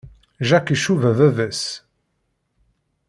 Jack icuba baba-s.